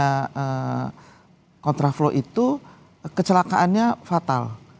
karena kontraflow itu kecelakaannya fatal